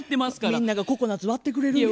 みんながココナツ割ってくれるんや。